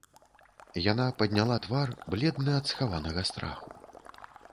Яна падняла твар бледны ад схаванага страху.